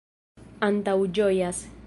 antaŭĝojas